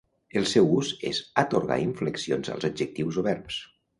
El seu ús és atorgar inflexions als adjectius o verbs.